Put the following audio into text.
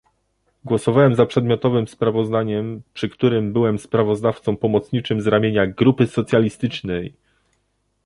Głosowałem za przedmiotowym sprawozdaniem, przy którym byłem sprawozdawcą pomocniczym z ramienia Grupy Socjalistycznej